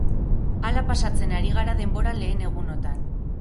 Hala pasatzen ari gara denbora lehen egunotan.